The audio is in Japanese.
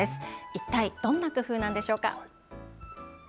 一体どんな工夫なんでしょうか。